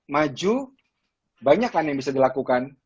maju banyak kan yang bisa dilakukan